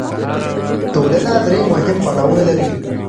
ټولنه درې مهم پړاوونه لري.